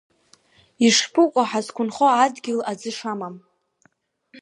Ишԥыкәу ҳазқәынхо адгьыл аӡы шамам!